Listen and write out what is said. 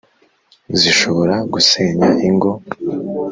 zishobora gusenya ingo